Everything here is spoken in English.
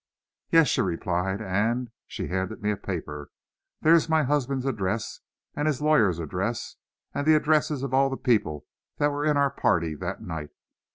"Yes," she replied; "and" she handed me a paper "there's my husband's address, and his lawyer's address, and the addresses of all the people that were in our party that night.